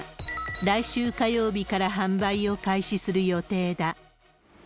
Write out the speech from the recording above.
来週火曜日から販売を開始する予定だ。